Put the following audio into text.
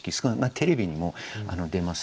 テレビにも出ます。